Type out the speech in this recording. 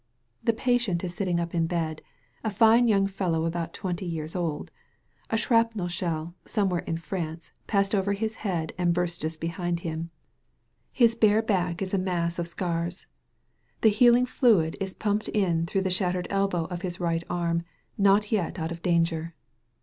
The patient is sitting up in bed — ^a fine young fellow about twenty years old. A shrapnel shell, somewhere in France, passed over his head and burst just behind him. His bare back is a mass of 165 THE VALLEY OF VISION scars. The healing fluid is being pumped in through the shattered elbow of his right arm, not yet out of danger.